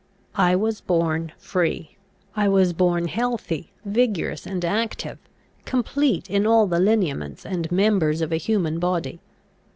I was born free: I was born healthy, vigorous, and active, complete in all the lineaments and members of a human body.